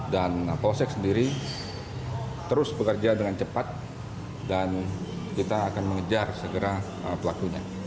dan polsek sendiri terus bekerja dengan cepat dan kita akan mengejar segera pelakunya